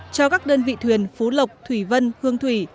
cho các đơn vị thuyền phú lộc thủy vân hương thủy